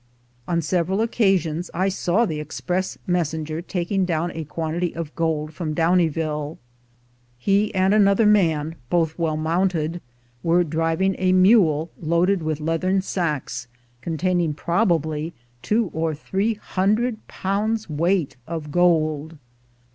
On several occasions I saw the express messenger taking down a quantity of gold from Downieville. He and another man, both well mounted, were driving a mule loaded with leathern sacks, containing probably two or three hundred pounds' weight of gold.